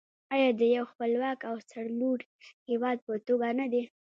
آیا د یو خپلواک او سرلوړي هیواد په توګه نه دی؟